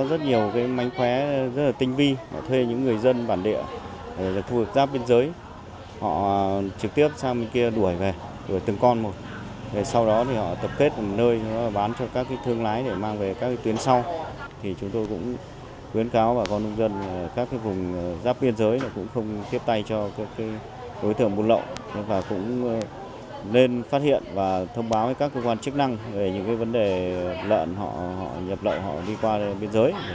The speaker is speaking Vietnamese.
sau đó nuôi ít ngày rồi bán trưởng buôn lậu và cũng nên phát hiện và thông báo các cơ quan chức năng về những vấn đề lợn họ nhập lậu họ đi qua biên giới để chúng tôi sẽ có biện pháp xử lý